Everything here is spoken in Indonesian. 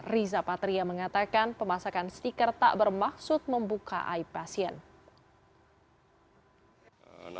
riza patria mengatakan pemasakan stiker tak bermaksud membuka aib pasien